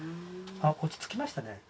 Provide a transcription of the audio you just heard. あ落ち着きましたね。